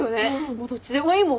もうどっちでもいいもん。